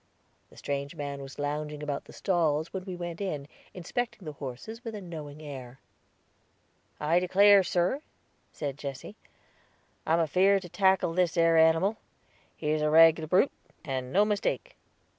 The strange man was lounging about the stalls when we went in, inspecting the horses with a knowing air. "I declare, sir," said Jesse, "I am afeared to tackle this ere animal; he's a reglar brute, and no mistake."